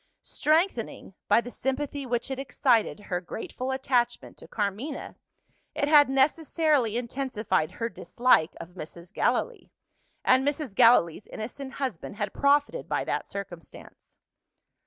Strengthening, by the sympathy which it excited, her grateful attachment to Carmina, it had necessarily intensified her dislike of Mrs. Gallilee and Mrs. Gallilee's innocent husband had profited by that circumstance!